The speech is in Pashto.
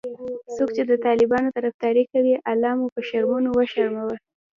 څوک چې د طالبانو طرفدارې کوي الله مو به شرمونو وشرموه😖